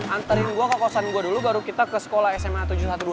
antarin gue ke kosan gue dulu baru kita ke sekolah sma tujuh ratus dua belas